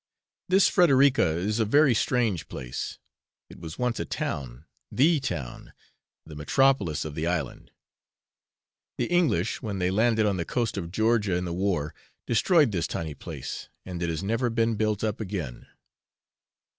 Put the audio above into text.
This Frederica is a very strange place; it was once a town, the town, the metropolis of the island. The English, when they landed on the coast of Georgia in the war, destroyed this tiny place, and it has never been built up again.